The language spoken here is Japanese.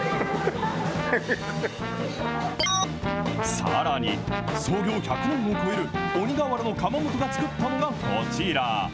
さらに創業１００年を超える鬼瓦の窯元が作ったのがこちら。